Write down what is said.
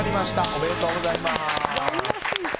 おめでとうございます。